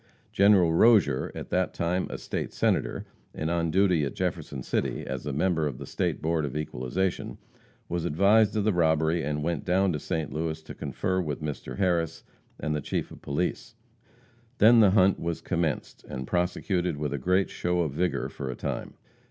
General Rozier, at that time a State Senator, and on duty at Jefferson City, as a member of the State Board of Equalization, was advised of the robbery, and went down to St. Louis to confer with Mr. Harris and the Chief of Police. Then the hunt was commenced, and prosecuted with a great show of vigor for a time.